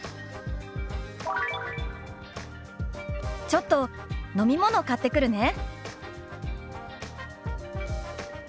「ちょっと飲み物買ってくるね」。